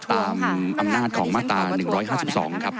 ตามอำนาจของมาตรา๑๕๒ครับ